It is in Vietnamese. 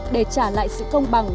để trả lại sự công bằng